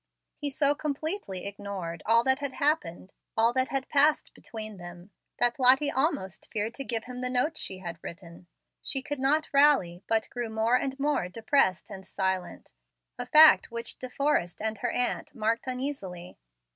He so completely ignored all that had happened all that had passed between them that Lottie almost feared to give him the note she had written. She could not rally, but grew more and more depressed and silent, a fact which De Forrest and her aunt marked uneasily.